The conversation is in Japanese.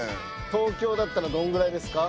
東京だったらどんぐらいですか？